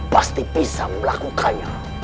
pasti bisa melakukannya